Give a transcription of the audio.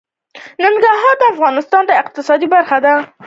ننګرهار د افغانستان د اقتصاد برخه ده.